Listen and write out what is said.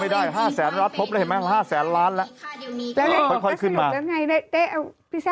ไม่ได้ห้าแสนล้านครบเลยเห็นมั้ยห้าแสนล้านแล้ว